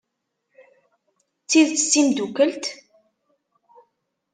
D tidet d timeddukalt?